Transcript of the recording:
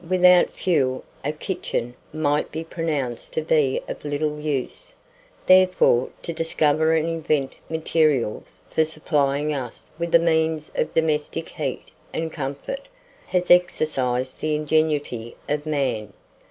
WITHOUT FUEL, A KITCHEN might be pronounced to be of little use; therefore, to discover and invent materials for supplying us with the means of domestic heat and comfort, has exercised the ingenuity of man.